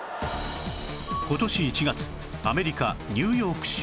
今年１月アメリカニューヨーク州